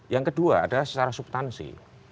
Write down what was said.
yang kedua adalah secara subtansi